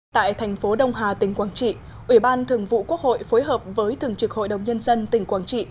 tại thành phố đông hà tỉnh quảng trị ủy ban thường vụ quốc hội phối hợp với thường trực hội đồng nhân dân tỉnh quảng trị